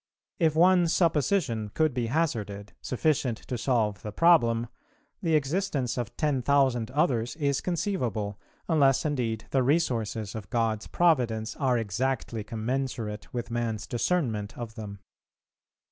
If one supposition could be hazarded, sufficient to solve the problem, the existence of ten thousand others is conceivable, unless indeed the resources of God's Providence are exactly commensurate with man's discernment of them.